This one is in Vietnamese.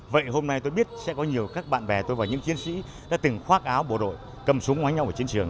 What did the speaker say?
vậy hôm nay tôi biết sẽ có nhiều các bạn bè tôi và những chiến sĩ đã từng khoác áo bộ đội cầm súng máy nhau ở chiến trường